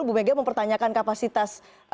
ibu mega mempertanyakan kapasitas